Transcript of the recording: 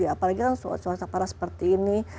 apalagi cuaca parah seperti ini